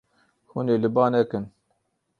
Hûn ê li ba nekin.